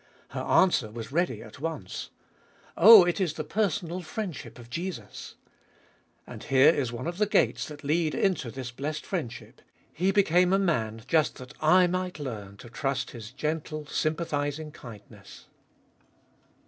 Her answer was ready at once : "Oh, it is the personal friendship of Jesus I" And here is one of the gates that lead into this blessed friendship: He became a Man just that I might learn to trust His gentle, sympathising kindness.